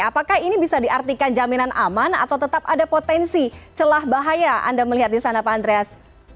apakah ini bisa diartikan jaminan aman atau tetap ada potensi celah bahaya anda melihat di sana pak andreas